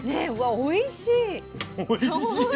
おいしい。